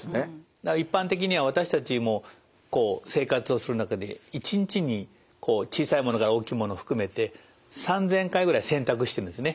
だから一般的には私たちもこう生活をする中で一日に小さいものから大きいもの含めて３，０００回ぐらい選択してるんですね。